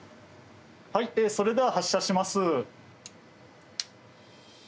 はい、それでは発射します。